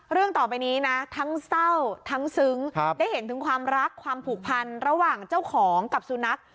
ต่อไปนี้นะทั้งเศร้าทั้งซึ้งได้เห็นถึงความรักความผูกพันระหว่างเจ้าของกับสุนัข